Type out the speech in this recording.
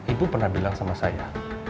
ibu pernah bilang sama saya